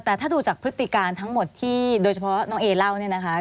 แต่ถ้าดูจากพฤติการทั้งหมดที่โดยเฉพาะน้องเอเล่าเนี่ยนะคะ